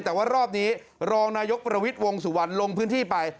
แต่ว่ารอบนี้รองนายกประวิทย์วงสุวรรณลงพื้นที่ไป